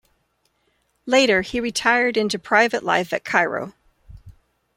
Later, he retired into private life at Cairo.